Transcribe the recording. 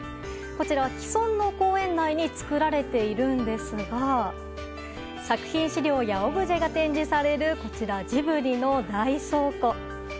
こちらは既存の公園内に作られているんですが作品資料やオブジェが展示されるジブリの大倉庫。